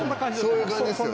そういう感じですよね。